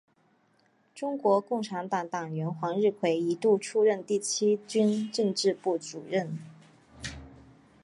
中国共产党党员黄日葵一度出任第七军政治部主任。